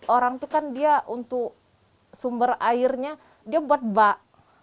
orang itu kan dia untuk sumber airnya dia buat bak